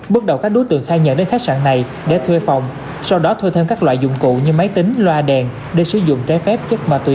bước đầu các đối tượng khai nhận đến khách sạn này để thuê phòng sau đó thuê thêm các loại dụng cụ như máy tính loa đèn để sử dụng trái phép chất ma túy